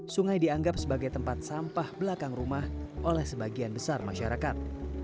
sungai dianggap sebagai tempat sampah belakang rumah oleh sebagian besar masyarakat